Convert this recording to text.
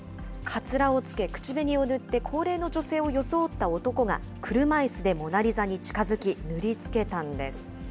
かつらをつけ、口紅を塗って高齢の女性を装った男が、車いすでモナリザに近づき、塗り付けたんです。